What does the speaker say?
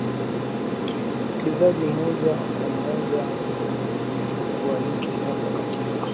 m msikilizaji moja kwa moja nikualike sasa katika